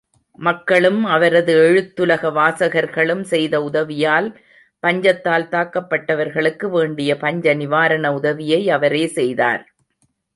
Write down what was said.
மக்களும் அவரது எழுத்துலக வாசகர்களும் செய்த உதவியால், பஞ்சத்தால் தாக்கப்பட்டவர்களுக்கு வேண்டிய பஞ்ச நிவாரண உதவியை அவரே செய்தார்.